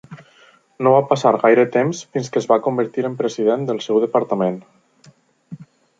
No va passar gaire temps fins que es va convertir en president del seu departament.